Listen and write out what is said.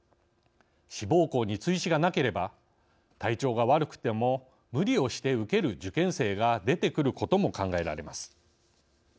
志望校に追試がなければ体調が悪くても無理をして受ける受験生が出てくることも考えられます。